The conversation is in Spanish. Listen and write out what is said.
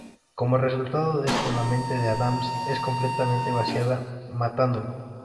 Como resultado de esto la mente de Adams es completamente vaciada matándolo.